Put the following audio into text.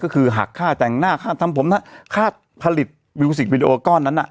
ก็คือหักค่าแต่งหน้าค่าทำผมค่าผลิตมิวสิกวิดีโอก้อนนั้น